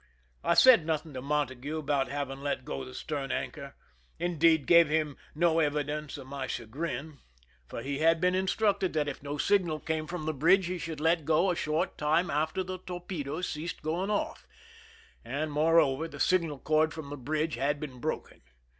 I said nothing to Montague about having let go the stern anchor,— indeed, gave him no evidence of my cha grin,— for he had been instructed that if no signal 97 THE SINKIN& OF THE "MERRIMAC^' came from the bridge he should let go a short time after the torpedoes ceased going oflE ; and, moreover, the signal cord from the bridge had been broken.